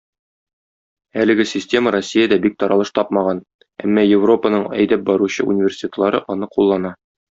Әлеге система Россиядә бик таралыш тапмаган, әмма Европаның әйдәп баручы университетлары аны куллана.